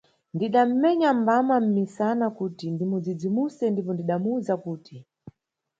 Ndidamʼmenya mbama mʼmisana, kuti ndimudzidzimuse ndipo ndidamuwza kuti.